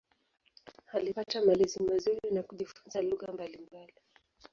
Alipata malezi mazuri na kujifunza lugha mbalimbali.